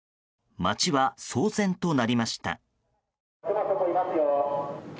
街は騒然となりました。